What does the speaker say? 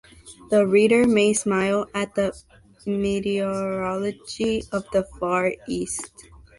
The reader may smile at the meteorology of the Far East.